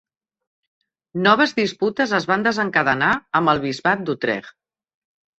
Noves disputes es van desencadenar amb el bisbat d'Utrecht.